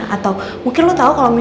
atau mungkin lo tau kalo misalkan